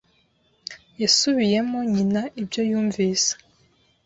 Yasubiyemo nyina ibyo yumvise.